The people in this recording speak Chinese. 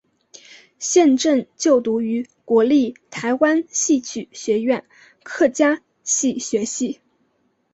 现正就读于国立台湾戏曲学院客家戏学系。